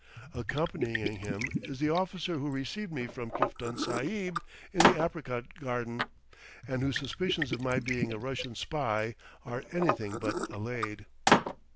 Accompanying him is the officer who received me from Kiftan Sahib in the apricot garden, and whose suspicions of my being a Russian spy are anything but allayed.